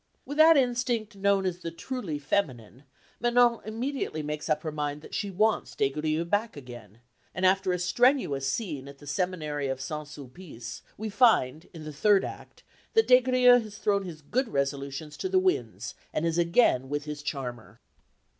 With that instinct known as the truly feminine, Manon immediately makes up her mind that she wants Des Grieux back again; and after a strenuous scene at the seminary of S. Sulpice we find, in the third act, that Des Grieux has thrown his good resolutions to the winds and is again with his charmer.